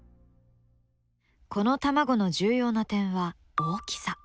この卵の重要な点は大きさ。